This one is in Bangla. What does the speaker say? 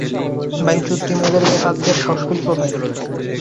বাইঞ্চুদ, তুই মেয়েদের গায়ে হাত দেয়ার সাহস পেলি কোথায়!